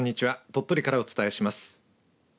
鳥取からお伝えします。